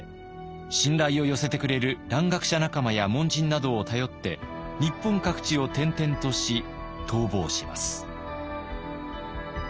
信頼を寄せてくれる蘭学者仲間や門人などを頼って日本各地を転々とし逃亡します。